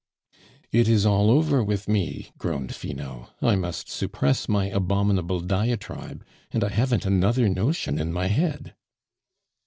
"It is all over with me!" groaned Finot; "I must suppress my abominable diatribe, and I haven't another notion in my head."